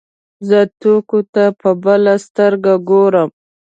زه ټوکو ته په بله سترګه ګورم.